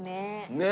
ねえ！